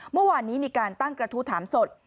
เมื่อวานนี้มีการตั้งกระทู้ถามสด